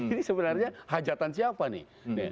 ini sebenarnya hajatan siapa nih